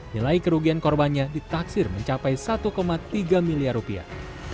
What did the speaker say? nilai kerugian korbannya ditaksir mencapai satu tiga miliar rupiah